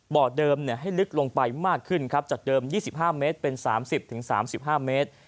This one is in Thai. บ่อเดิมเนี้ยให้ลึกลงไปมากขึ้นครับจัดเดิมยี่สิบห้าเมตรเป็นสามสิบถึงสามสิบห้าเมตร